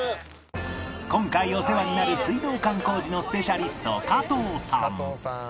今回お世話になる水道管工事のスペシャリスト加藤さん